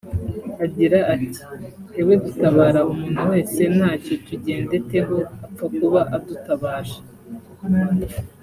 Agira ati " Twebwe dutabara umuntu wese ntacyo tugendeteho apfa kuba adutabaje